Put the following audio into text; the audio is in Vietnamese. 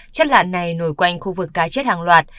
chất lạn này nổi quanh khu vực cá chết hàng loạt